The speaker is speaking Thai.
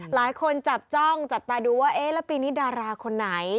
หลายคนจับจ้องจับตาดูว่าเอ๊ะแล้วปีนี้ดาราคนไหน